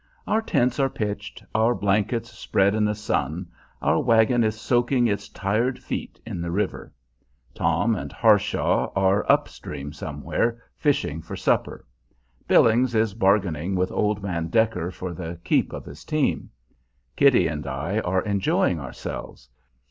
Our tents are pitched, our blankets spread in the sun, our wagon is soaking its tired feet in the river. Tom and Harshaw are up stream somewhere, fishing for supper. Billings is bargaining with Old Man Decker for the "keep" of his team. Kitty and I are enjoying ourselves.